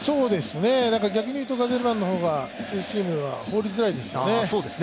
逆に言うとガゼルマンの方がツーシームは放りづらいですよね。